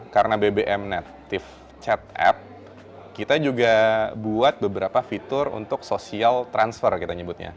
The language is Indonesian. karena bbm net tiff chat app kita juga buat beberapa fitur untuk social transfer kita nyebutnya